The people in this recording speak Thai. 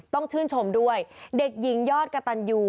ต้องชื่นชมด้วยเด็กหญิงยอดกะตันยู